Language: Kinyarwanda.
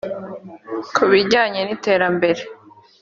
Ku bijyanye n iterambere